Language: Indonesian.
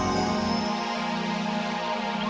umukku sudah kipung berubah